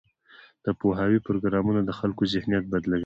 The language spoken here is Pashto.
د پوهاوي پروګرامونه د خلکو ذهنیت بدلوي.